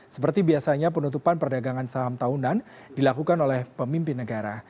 seperti biasanya penutupan perdagangan saham tahunan dilakukan oleh pemimpin negara